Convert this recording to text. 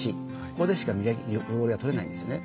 ここでしか汚れが取れないんですよね。